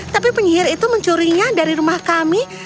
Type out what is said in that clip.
tapi penyihir itu mencurinya dari rumah kami